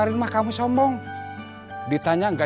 ya udah kita pulang dulu aja